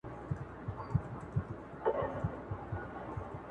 ماته به نه وایې چي تم سه- اختیار نه لرمه-